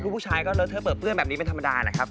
ผู้ชายก็เลอเทอร์เปิดเพื่อนแบบนี้เป็นธรรมดานะครับ